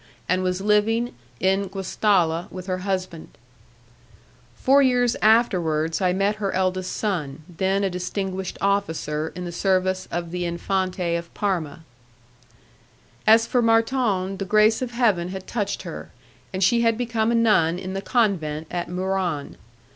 and was living in Guastalla with her husband. Twenty four years afterwards, I met her eldest son, then a distinguished officer in the service of the Infante of Parma. As for Marton, the grace of Heaven had touched her, and she had become a nun in the convent at Muran.